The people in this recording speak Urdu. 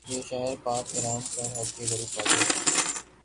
یہ شہر پاک ایران سرحد کے قریب واقع ہے